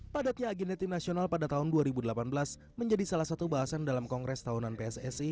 padatnya agenda tim nasional pada tahun dua ribu delapan belas menjadi salah satu bahasan dalam kongres tahunan pssi